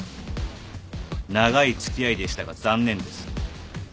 長い付き合いでしたが残念です。